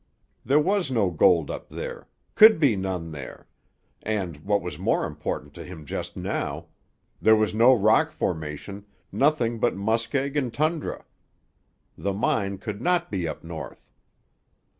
There was no gold up there, could be none there, and, what was more important to him just now, there was no rock formation, nothing but muskeg and tundra. The mine could not be up north.